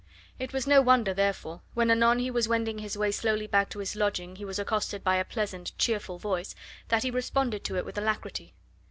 It was no wonder, therefore, when anon he was wending his way slowly back to his lodging he was accosted by a pleasant, cheerful voice, that he responded to it with alacrity.